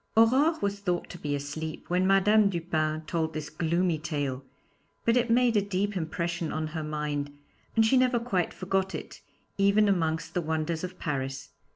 Aurore was thought to be asleep when Madame Dupin told this gloomy tale, but it made a deep impression on her mind, and she never quite forgot it, even amongst the wonders of Paris.